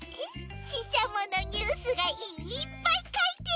ししゃものニュースがいっぱいかいてあるの！